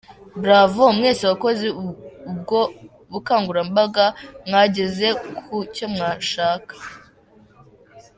Bravo mwese abakozi ubwo bukangurambaga, mwageze ku cyo mushaka.